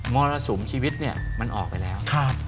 มรสมชีวิตมันออกไปแล้ว